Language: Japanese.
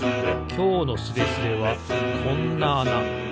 きょうのスレスレはこんなあな。